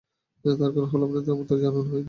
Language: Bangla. তার কারণ হল আপনাকে আমন্ত্রণ জানানো হয়নি।